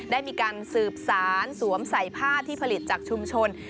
ได้มีการสืบสารสวมใส่ผ้าที่ผลิตจากชุมชน